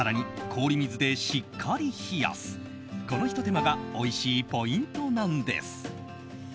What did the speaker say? このひと手間がおいしいポイントなんです。